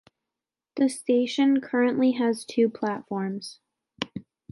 The station currently has two platforms.